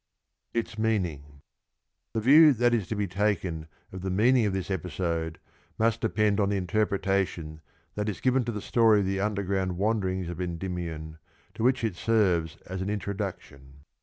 Its meaning. jj^g yjg^y ^{^^^ js ^q \)q takcu of the mcauiug of this episode must depend on the interpretation that is given ^ to the story of the underground wanderings of Endymion, \^' to which it serves as an introduction.